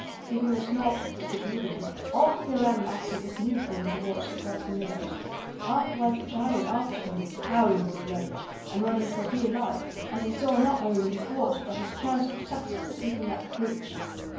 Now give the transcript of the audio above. Giving a snort of disobedience, off he ran after this new friend towards the grassy meadows. Off went the giant after him, howling with rage, and running for dear life, as he saw not only his horse but his chance of success slipping out of reach.